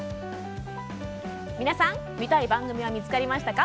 皆さん見たい番組は見つかりましたか。